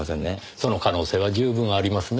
その可能性は十分ありますね。